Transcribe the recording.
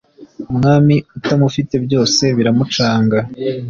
Umwami utamufite byose biramucanga